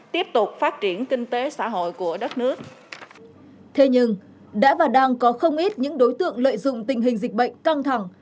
thế nhưng đã và đang có không ít những đối tượng lợi dụng tình hình dịch bệnh căng thẳng